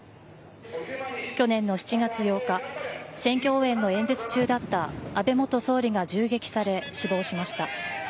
去年の７月８日選挙応援の演説中だった安倍元総理が銃撃され死亡しました。